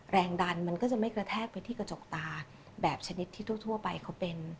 แรงดันมันก็จะไม่กระแทกไปที่กระจกตาแบบชนิดที่ทั่วไปเขาเป็น